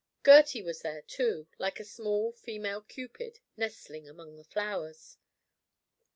Gertie was there too, like a small female Cupid nestling among the flowers.